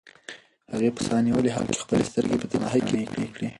هغې په ساه نیولي حال کې خپلې سترګې په تنهایۍ کې رڼې کړې.